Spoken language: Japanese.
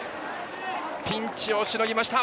ピンチをしのぎました。